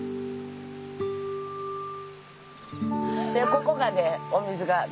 ここがねお水が出てる。